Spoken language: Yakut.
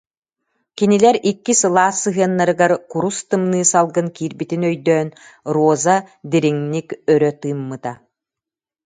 Кинилэр икки сылаас сыһыаннарыгар курус тымныы салгын киирбитин өйдөөн, Роза дириҥник ірі тыыммыта